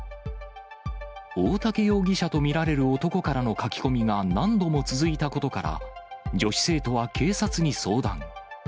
大竹容疑者と見られる男からの書き込みが何度も続いたことから、女子生徒は警察に相談。